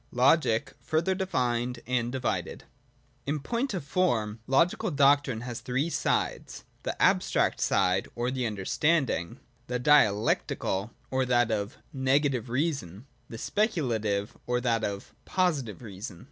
LOGIC FURTHER DEFINED AND DIVIDED. 79. In point of form Logical doctrine has three sides : (a) the Abstract side, or that of understanding : (j3) the Dialectical, or that of negative reason : (y) the Specula tive, or that of positive reason.